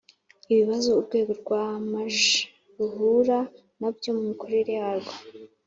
Ibibazo urwego rwa maj ruhura nabyo mu mikorere yarwo